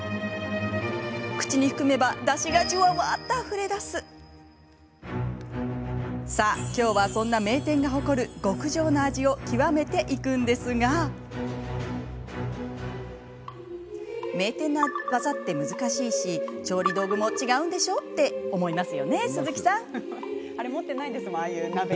口に含めば、だしがじゅわわっとあふれ出すさあ、今日はそんな名店が誇る極上の味を極めていくんですが名店の技って難しいし調理道具も違うんでしょ？って思いますよね、鈴木さん。